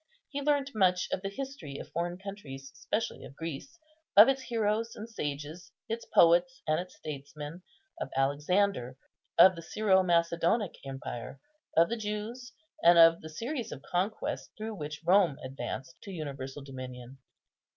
He learned much of the history of foreign countries, especially of Greece, of its heroes and sages, its poets and its statesmen, of Alexander, of the Syro Macedonic empire, of the Jews, and of the series of conquests through which Rome advanced to universal dominion.